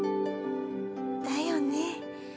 だよね。